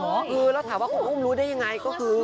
เออแล้วถามว่าคุณอุ้มรู้ได้ยังไงก็คือ